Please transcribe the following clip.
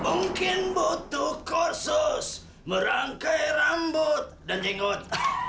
mungkin butuh kursus merangkai rambut dan jengut